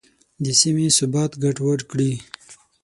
د سیمې ثبات ګډوډ کړي.